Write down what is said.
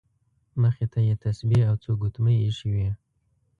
مخې ته یې تسبیح او څو ګوتمۍ ایښې وې.